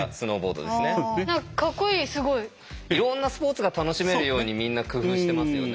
いろんなスポーツが楽しめるようにみんな工夫してますよね。